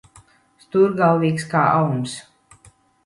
Stūrgalvīgs kā auns.